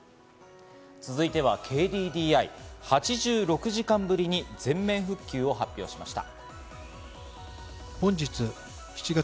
続いては、ＫＤＤＩ８６時間ぶり、全面復旧を発表しました。